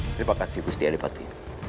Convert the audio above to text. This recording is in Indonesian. terima kasih gusti adipati